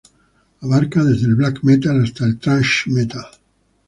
Abarca desde el black metal hasta el thrash metal.